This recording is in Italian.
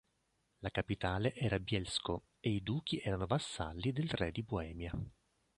La capitale era Bielsko, e i duchi erano vassalli del Re di Boemia.